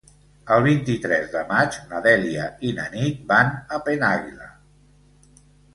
El vint-i-tres de maig na Dèlia i na Nit van a Penàguila.